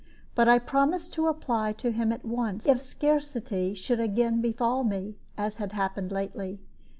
But I promised to apply to him at once if scarcity should again befall me, as had happened lately.